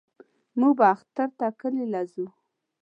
موږ به اختر ته کلي له زو.